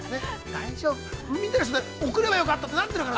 見てる人で送ればよかったってなって、いるから！